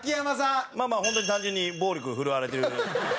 まあ、本当に単純に暴力振るわれてる。